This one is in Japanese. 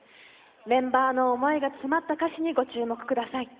メンバーの思いが詰まった歌詞にご注目ください。